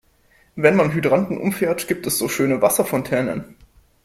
Wenn man Hydranten umfährt, gibt es so schöne Wasserfontänen.